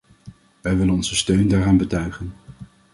Wij willen onze steun daaraan betuigen.